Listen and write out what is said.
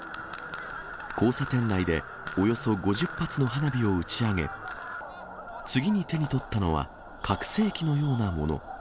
交差点内でおよそ５０発の花火を打ち上げ、次に手に取ったのは、拡声器のようなもの。